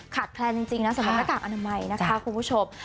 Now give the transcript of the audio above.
ขาดแคลนจริงนะคะในถังน้ากากอาณาหมายนะคะคุณผู้ชม